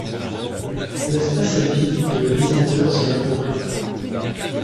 L’espace est vide et le visiteur se l'approprie.